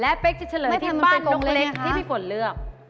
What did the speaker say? และเป๊กจะเฉลยที่บ้านน้องเล็กที่พี่ฝนเลือก